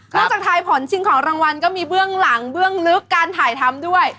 จากทายผลชิงของรางวัลก็มีเบื้องหลังเบื้องลึกการถ่ายทำด้วย